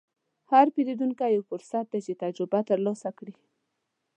هر پیرودونکی یو فرصت دی چې تجربه ترلاسه کړې.